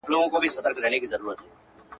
پريکړي بايد په سمه توګه پلي سي.